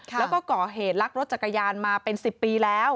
แล้วก็ก่อเหตุลักรถจักรยานมาเป็น๑๐ปีแล้ว